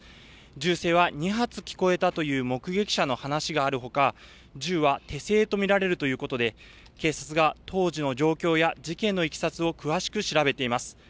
銃声は２発聞こえたという目撃者の話があるほか、銃は手製と見られるということで、警察が当時の状況や事件のいきさつを詳しく調べています。